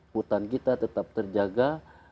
hutan kita tetap terjaga